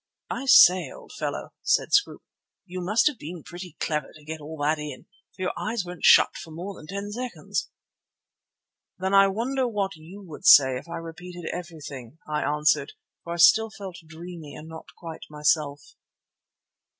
"I say, old fellow," said Scroope, "you must have been pretty clever to get all that in, for your eyes weren't shut for more than ten seconds." "Then I wonder what you would say if I repeated everything," I answered, for I still felt dreamy and not quite myself.